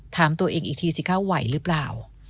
ถามตัวเองอีกทีสิคะไหวหรือเปล่า